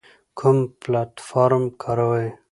کوم پلتفارم کاروئ؟